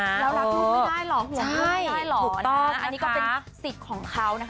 แล้วรักลูกไม่ได้หรอห่วงให้หรอถูกต้องอันนี้ก็เป็นสิทธิ์ของเขานะคะ